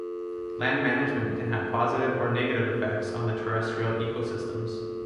Land management can have positive or negative effects on the terrestrial ecosystems.